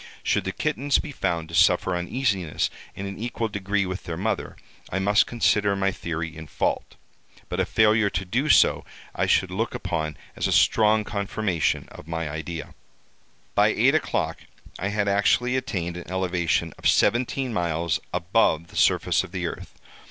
Should the kittens be found to suffer uneasiness in an equal degree with their mother, I must consider my theory in fault, but a failure to do so I should look upon as a strong confirmation of my idea. "By eight o'clock I had actually attained an elevation of seventeen miles above the surface of the earth.